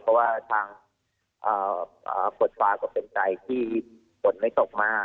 เพราะว่าทางฝนฟ้าก็เป็นใจที่ฝนไม่ตกมาก